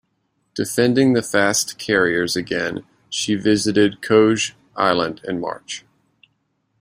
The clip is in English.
Defending the fast carriers again, she visited Koje Island in March.